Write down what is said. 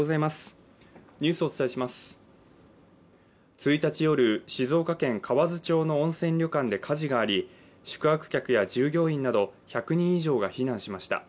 １日夜、静岡県河津町の温泉旅館で火事があり、宿泊客や従業員など１００人以上が避難しました。